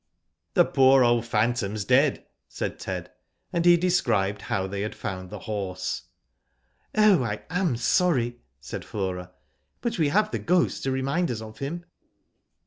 " The poor old phantom's dead," said Ted ; and he described how they had found the horse. " Oh, I am sorry," said Flora ;" but we have the Ghost to remind us of him."